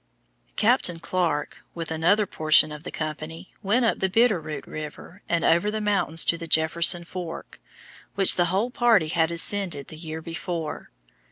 Captain Clark, with another portion of the company, went up the Bitter Root River and over the mountains to the Jefferson Fork, which the whole party had ascended the year before.